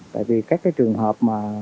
tại vì các trường hợp mà